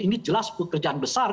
ini jelas pekerjaan besar